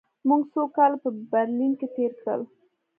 موږ څو کاله په برلین کې تېر کړل